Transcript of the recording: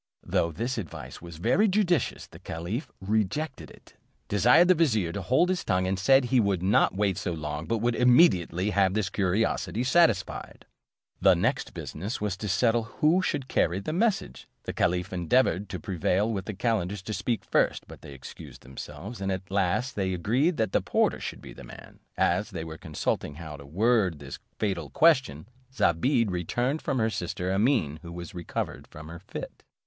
Though this advice was very judicious, the caliph rejected it, desired the vizier to hold his tongue, and said, he would not wait so long, but would immediately have his curiosity satisfied. The next business was to settle who should carry the message. The caliph endeavoured to prevail with the calenders to speak first; but they excused themselves, and at last they agreed that the porter should be the man: as they were consulting how to word this fatal question, Zobeide returned from her sister Amene, who was recovered of her fit.